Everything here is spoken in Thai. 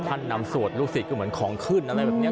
ท่านนำสวดลูกศิษย์ก็เหมือนของขึ้นอะไรแบบนี้